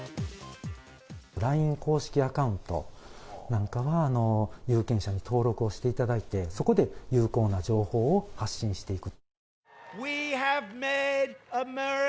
ＬＩＮＥ公式アカウントなんかは、有権者に登録をしていただいて、そこで有効な情報を発信していく。